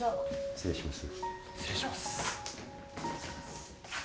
失礼します。